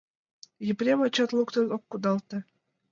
— Епрем ачат луктын ок кудалте.